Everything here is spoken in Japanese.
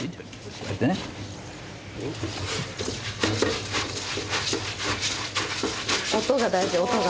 こうやってね音が大事音が